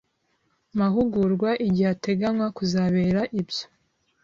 mahugurwa igihe ateganywa kuzabera ibyo